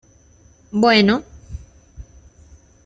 bueno...